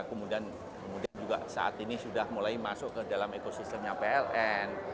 kemudian juga saat ini sudah mulai masuk ke dalam ekosistemnya pln